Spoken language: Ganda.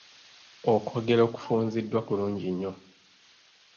Okwogera okufunziddwa kulungi nnyo.